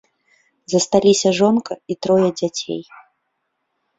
Засталіся жонка і трое дзяцей.